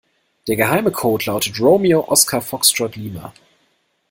Der geheime Code lautet Romeo Oskar Foxtrott Lima.